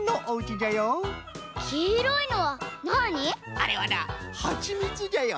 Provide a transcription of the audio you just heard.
あれはなはちみつじゃよ。